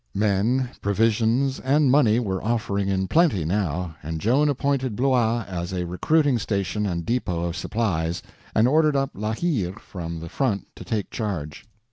Men, provisions, and money were offering in plenty now, and Joan appointed Blois as a recruiting station and depot of supplies, and ordered up La Hire from the front to take charge.